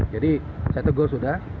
jadi saya tegur sudah